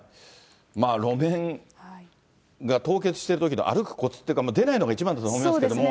路面が凍結しているときの歩くこつというか、出ないのが一番だと思いますけど。